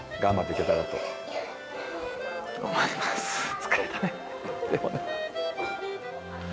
疲れたねでもね。